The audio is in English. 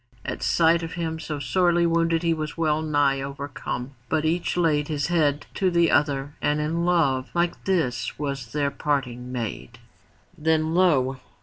At sight of him so sorely wounded he was well nigh overcome. But each laid his head to the other and in love like this was their parting made. Then lo!